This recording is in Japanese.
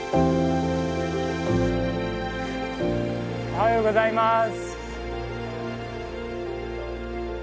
おはようございます。